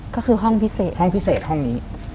ก็คือห้องพิเศษห้องพิเศษห้องนี้